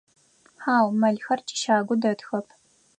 Хьау, мэлхэр тищагу дэтхэп.